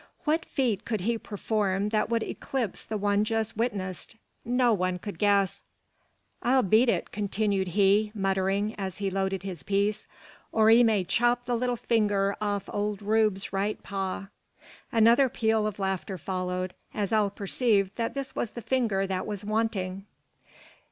What feat could he perform that would eclipse the one just witnessed? No one could guess. "I'll beat it," continued he, muttering, as he loaded his piece, "or 'ee may chop the little finger off ole Rube's right paw." Another peal of laughter followed, as all perceived that this was the finger that was wanting.